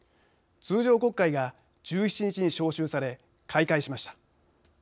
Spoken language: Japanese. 通常国会が１７日に召集され開会しました。